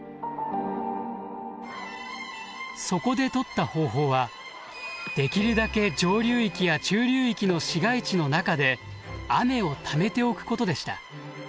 そこでとった方法はできるだけ上流域や中流域の市街地の中で雨をためておくことでした。